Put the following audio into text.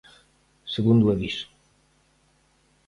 Segundo aviso.